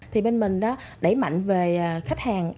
thì bên mình đã đẩy mạnh về khách hàng